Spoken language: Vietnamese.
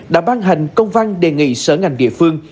đã ban hành công văn đề nghị sở ngành địa phương